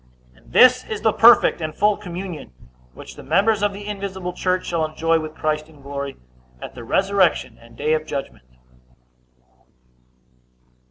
And this is the perfect and full communion which the members of the invisible church shall enjoy with Christ in glory, at the resurrection and day of judgment.